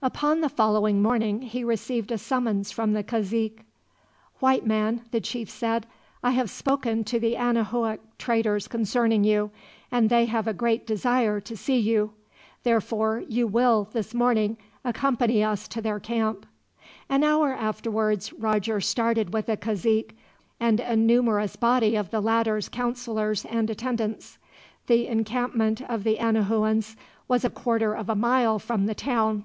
Upon the following morning he received a summons from the cazique. "White man," the chief said, "I have spoken to the Anahuac traders concerning you, and they have a great desire to see you. Therefore you will, this morning, accompany us to their camp." An hour afterwards Roger started with the cazique, and a numerous body of the latter's counselors and attendants. The encampment of the Anahuans was a quarter of a mile from the town.